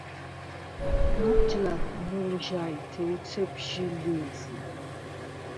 გარჯ ლას მჷლჟაჲთე უცეფ ჟი ლი̄ზი.